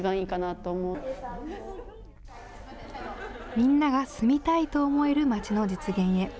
みんなが住みたいと思えるまちの実現へ。